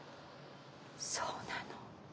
そうなの。